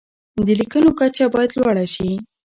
د لیکنو کچه باید لوړه شي.